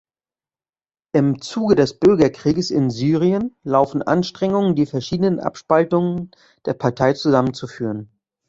Im Zuge des Bürgerkrieges in Syrien laufen Anstrengungen die verschiedenen Abspaltungen der Partei zusammenzuführen.